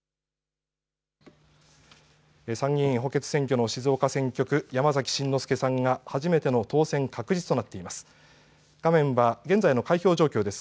参議院補欠選挙の静岡選挙区、山崎真之輔さんが初めての当選確実となっています。